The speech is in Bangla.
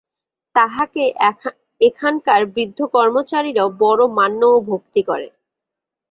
তাঁহাকে এখানকার বৃদ্ধ কর্মচারীরাও বড় মান্য ও ভক্তি করে।